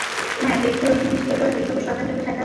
হ্যাঁ, দেখি ঐ জিনিস দিয়ে তোরা কীভাবে শয়তানটাকে ঠেকাস।